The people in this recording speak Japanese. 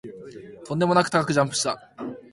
とんでもなく高くジャンプした